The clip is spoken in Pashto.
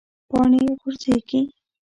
پاڼې غورځیږي